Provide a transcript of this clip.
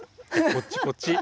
こっちこっち。